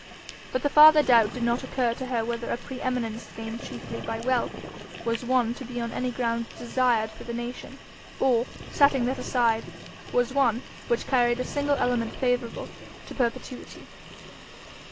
But the farther doubt did not occur to her whether a pre eminence gained chiefly by wealth was one to be on any grounds desired for the nation, or, setting that aside, was one which carried a single element favourable to perpetuity.